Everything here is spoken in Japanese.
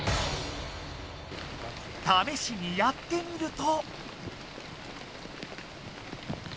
ためしにやってみると。